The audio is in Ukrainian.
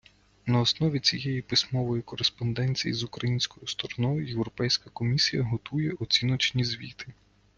На основі цієї письмової кореспонденції з українською стороною Європейська комісія готує оціночні звіти.